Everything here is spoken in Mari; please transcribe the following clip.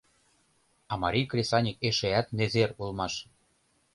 А марий кресаньык эшеат незер улмаш.